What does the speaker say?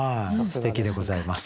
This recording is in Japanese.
すてきでございます。